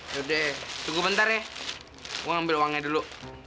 yodeh tunggu bentar ya gua ambil uangnya dulu